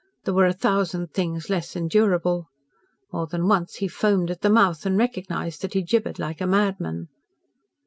There were a thousand things less endurable. More than once he foamed at the mouth, and recognised that he gibbered like a madman.